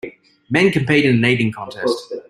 Men compete in an eating contest.